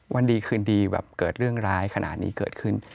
วันดีคืนดีแบบเกิดเรื่องร้ายขนาดนี้เกิดขึ้น